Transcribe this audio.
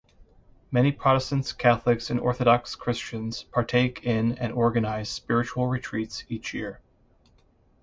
Many Protestants, Catholics and Orthodox Christians partake in and organize spiritual retreats each year.